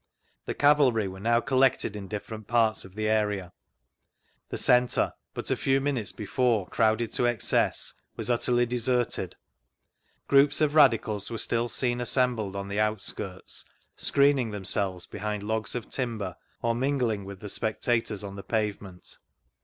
The cavalry were now collected in different parts of the area; the centre, but a few minutes before crowded to excess, was utterly deserted ; groups of radicals were still seen assembled on the out skirts, screening themselves behind logs of timber or mingling with the spectators on the pavement.